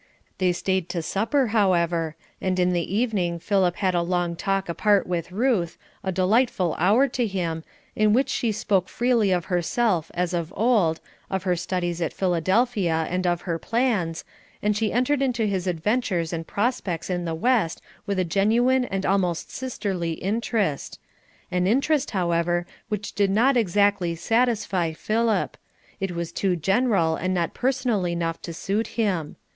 They staid to supper however, and in the evening Philip had a long talk apart with Ruth, a delightful hour to him, in which she spoke freely of herself as of old, of her studies at Philadelphia and of her plans, and she entered into his adventures and prospects in the West with a genuine and almost sisterly interest; an interest, however, which did not exactly satisfy Philip it was too general and not personal enough to suit him.